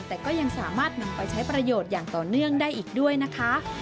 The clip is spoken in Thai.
แต่ก็ยังสามารถนำไปใช้ประโยชน์อย่างต่อเนื่องได้อีกด้วยนะคะ